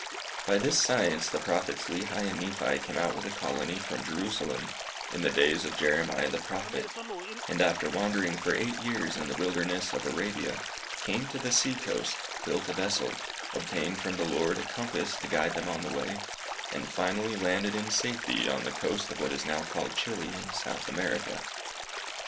By this science the Prophets Lehi and Nephi came out with a colony from Jerusalem, in the days of Jeremiah the Prophet, and after wandering for eight years in the wilderness of Arabia, came to the sea coast, built a vessel, obtained from the Lord a compass to guide them on the way, and finally landed in safety on the coast of what is now called Chili, in South America.